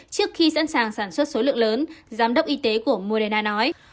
trước khi sẵn sàng sản xuất số lượng lớn giám đốc y tế của moderna nói